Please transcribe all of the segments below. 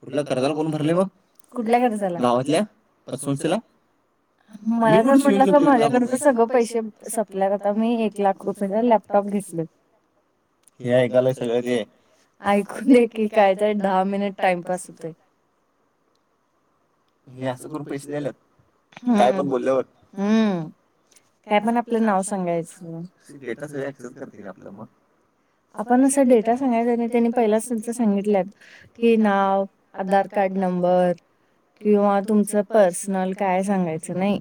कुठला कर्जाला कोण भरले मग? कुठल्या कर्जाला? गावातल्या पतसंस्थेला. मला म्हटलं का माझ्याकड सगळं पैसे सपल्याय करता मी एक लाख रुपयेचा लॅप घ हे ऐकाला सगळ ते ऐकु देकी काय दहा मिनिट टाइमपास होतोय. हे असं करू पैसे दिल्यात काय पण बोलल्यावर? काय पण आपलं नाव सांगायचं डेटा सगळ क्सेस करते का आपलं मग? आपण असा डेटा सांगायचा आणि त्यांनी पहिलाच त सांगितल्यात. की नाव आधार कार्ड नंबर. किंवा तुमचं पर्सनल काय सांगायचं नाही.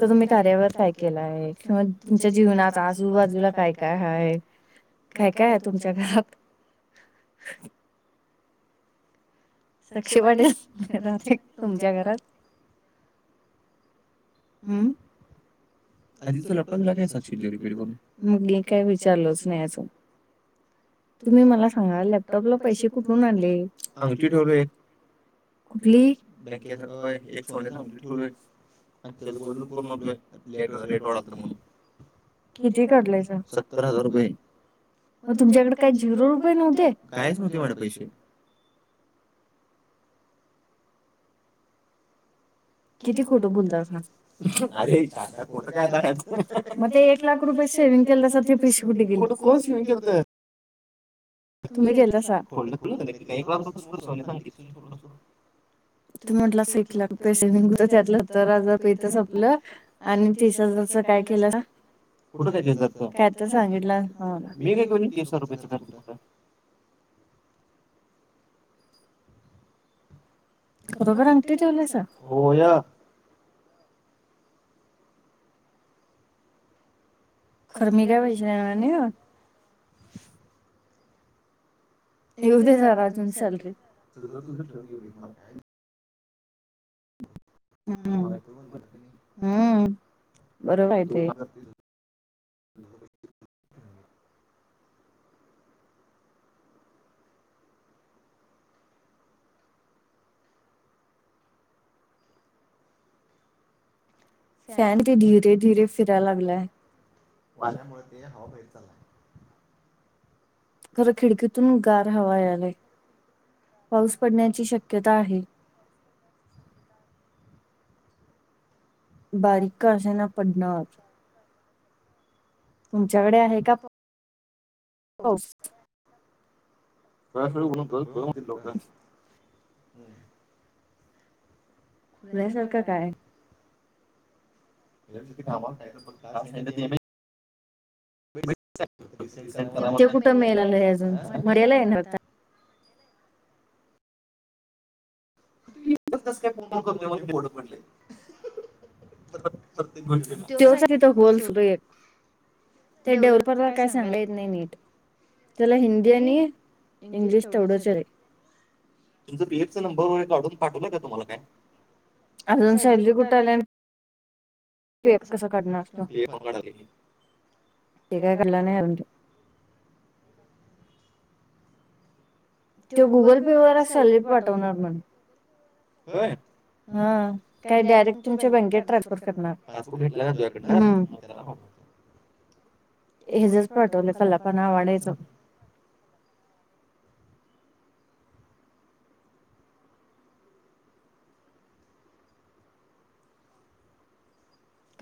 तर तुम्ही कार्यावर काय केलाय किंवा तुमच्या जीवनात आजूबाजूला काय काय हाय? काय काय तुमच्या घरात? सक्षी पाटील राहते तुमच्या घरात? हम्म. आधी त लटव काय साक्षी रिपेअर करून मग मी काय विचारलोच नाही अजून. तुम्ही मला सांगा लॅपटॉपला पैसे कुठून आणले? अंगठी ठेवलेय. कुठली? बँकेत हय एक सोन्याची अंगठी ठेवलंय. आणि त्याचां गोल्डून करून आणलोयलेट रेट वाढालत म्हणून किती काढलायसा? सत्तर हजार रुपये. मग तुमच्याकडे काय झिरो रुपये नव्हते? कायच नवते माजकड पैसे. किती खोटो बोलतासा? अरे हेच्या खोट काय? मग ते एक लाख रुपय सेविंग केलतासा ते पैसे कुठे गेले? कुठं कोण सेविंग केलतं? तुम्ही केलतासा. एक लाख रुपये असते तर सोन्याची अंगठी तुम्ही म्हटलं असा एक लाख रुपये सेविंग होतं त्यातलं सत्तर हजार संपलं. आणि तीस हजारच काय केला? कुठं काय काय सांगितलं मी काय तीसश रुपयाच खर् कुठ? खरोखर अंगठी ठेवलायसा? होय. खरं मी काय पैसे देणार नाही हो. येऊ दे अजून जरा सॅलरी. हम हम बरोबर आहे की. फॅन किती धीरे धीरे फिराय लागलाय. वाऱ्यामुळे ते हवा बाहेर चाललाय. खर खिडकीतून गार हवा आला पाऊस पडण्याची शक्यता आहे. बारीक का असे ना पडणार. तुमच्याकडे आहे का पाऊस? काय वरणट कोळ म्हतील हम्. पुण्यासारखं काय? का ते कुठं मेल आलय अजून मंडेला आहे ना आता [unintelligible] तेवच तिथं होल सु एक. ते डेव्हलपरला काय सांगा येत नाही नीट त्याला हिंदी आणि इंग्लिश तेवढंच रे तुमचं पीएफ च नंबर वगैरे काढून पाठवलाय का तुम्हलाला म्या अजून सॅलरी कुठे आलिया पीएफ कस काढणार असतो. तका कल्या नाही अजून त गुगल पे वरच सॅलरी पाठवणार म्हणे होय. हा काय डायरेक्ट तुमच्या बँकेत ट्रान्सफर करणार पासपोर्ट घेतला ना तुझ्याकडन त्या फट [inaudible] हजेच पाठवले पला पण वाढायचं.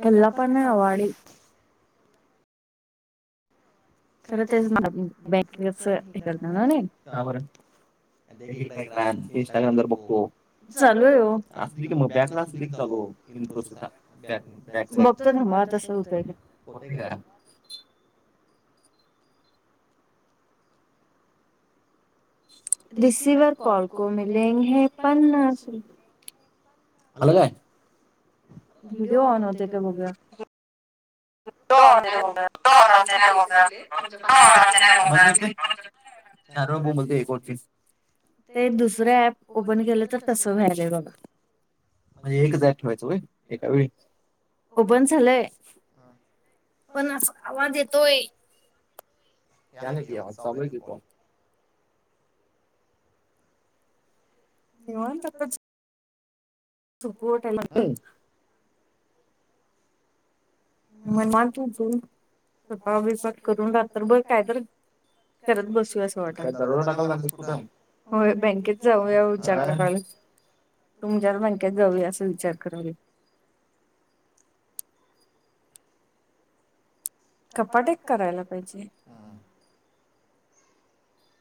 केला पण हवाडी थोड तेलस कर अ क इकड इकड इंस्टाग्राम जरतो चालू आहे ओ असुदे कि मग बॅकला असुदे कि चालू बघत थांमा तसं होतंय का होतय का रिसिवर कॉल को मिलेे पणास रुपये आलं काय व्हिडिओ ऑन होते का बगूया हो हो हो त्यां हो ह हो [unintelligible] च ते दुसरं ऍप ओपन केलं तर तसं व्हायलंय बघ म्हणजे एकजार ठेवायचं एका वळी ओपन झालंय हा पण अस आवाज येतोय न कि आवाज साबय क कोण निवांत [unintelligible] सुप ट मग म त तू सपा विफक करून राह तर बघ काय तर करत बसू अस वाट काय दरोडा टाकायला जातीय का बँकेत जाऊया चारका [inaudible] तुमच्यावर बँकेत जाऊ असं विचार करावे. कपाट एक करायला पाहिजे.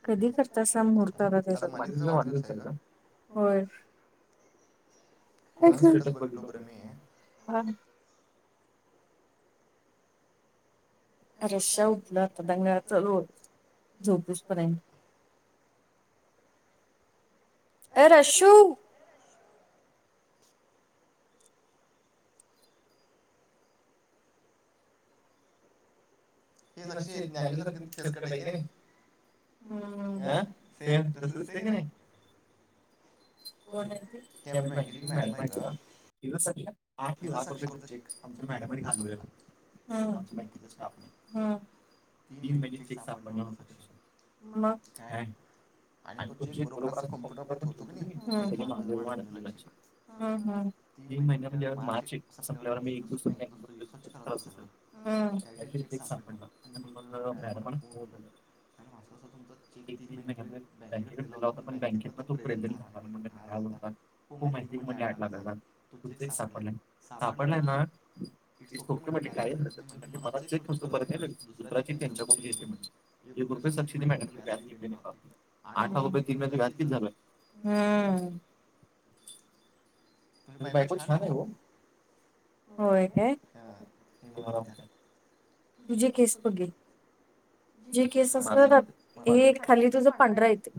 कधी करत अस मुहूर्त वा होर हा रशा उतला आता डंगळाचा रो झौतस पर्यंत ऐ रशू हे नॅ खेेत करहि का ह अ सेम तसच असत ते का नाही. माहि मॅ माहि त आठ लाख रुपयेचे आमच्या मॅडमने घालवलेला तीन महिने फिक्स सापडल होतं शकश मग काय आणि तो चेक बरोबर अस कम्प्युटर पण ठेवतो की नाही त्या माग वाढतला चेक ह ह तीन महिना न झाार मार्च सप्टेलवरला मी एक दिवस बँकेत असतो रि सर्च करालत सगळं त्याविषयी चेक सांग ण आणि मग मॅरम हो पण एक ती बँकेकड गला होता पण बँकेेत तो प्रेन झा म्ह राला होता. खू माहिती म्हटले आठला गात तु सापडला सापडलाय ना सोके म्हट काही म्हण म दुसराची त्यांच्याकडून येते म्हणजे एक रुपये सक्षट्याज विक आठवा रुपये तीन व्याज किती झालय. हां बायको छान आहे हो हो का ब तुझे केस बघेल जे केस असत ना हे खाली तुझं पांढरा येत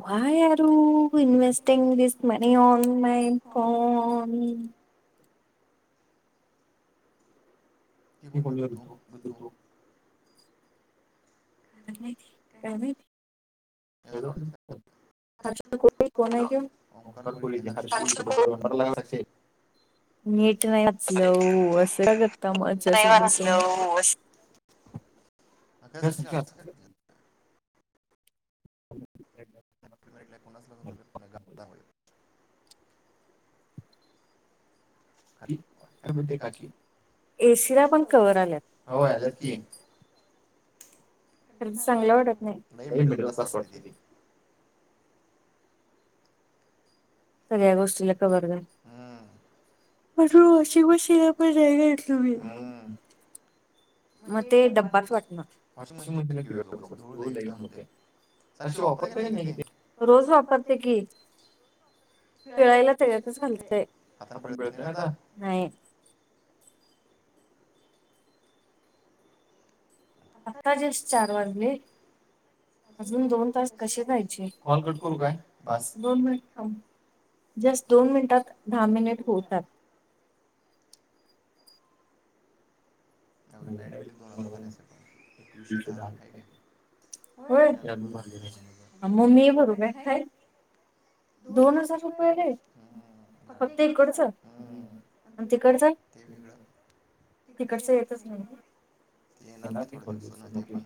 why are you investing this money ऑनमईन कॉन हे कोणी देतो देतो का माहिती नीट नाहीचलं असं का करता मजा सांग तु अभ्यास असतात कोणा एसी ला पण क्वहर आल्या आ तीन कदी चांगलं वाटत नाही मिडल क्स सगळ या गोष्टी लेख बर पट अशीि ब शि पण जायग इल बी मग ते डब्बाच वाटणार वॉशिंग मशीनला अशी वापरते की नाही रोज वापरते की पिळायला तळ्यातच घालतय नाही आता जस चार वाजली अजून दोन तास कसे जायचे कॉल कट करू काय दोन मिनिटां थांबा जस्ट दोन मिनिटात दहा मिनिट होतात एकशे दहा रुपये हो मम्मी बर व खाय दोन हजार रुपये रे फक्त इकडच प तिकड च ते तिकड तिकडस येतच येणार की थोड्या दिवसांन ते पण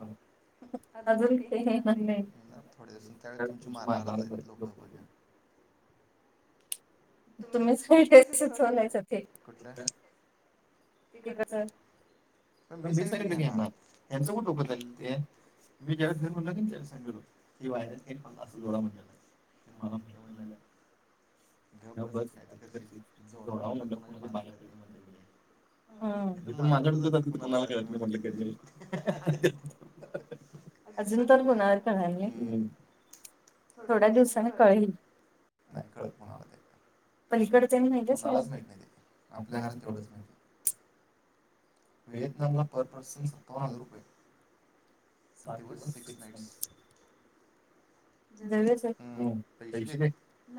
अजून काही येणार नाही येणार थोडे दिवस त्यावेळी तुमची मारणारच आहेत लोक बघ्या तुम्हीचवयच ते कुठलं तिकडच प मी सांगितलं घ्या ना हचं कुठोकं चालेलं ते मी जेवेळेस घरी म्हणलो ना तेवेस सांगितलो की वायर्या कारी फडत असल जोडळा म्हटलेला ते मलातेव गप्प बस जोडावं म्हटलं कोणाची बाहेर प ह हेथ माझं तिथ कोणाला काळत नाही म्हटलं काहीरी अजून तर बणा का नाही थोड्या दिवसाांनी कळेल नाही कळत कोणाला ते पलीकडच्या कोणालाच माहीत नाही ते आपल्या घरात तेवढंच माहित विएतनामला परपर्स पाचदिवनथ सिक्स मनथस डाव्या साईटने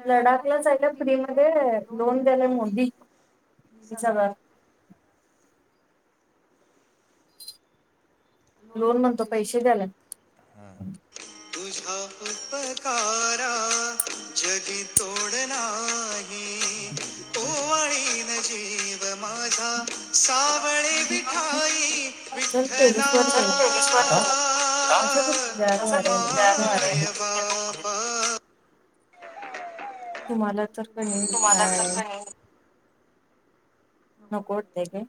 लडाखलाचयला मद ्र म लोन द्याला मोदी सगळ लोन म्हणतो पैसे द्याला हा तुझा ख पकारा जग तोडना जिव माझा सावळे विठाई विठ्ठला विश्वास का अस तर तुम्हाला तर का कायय कोट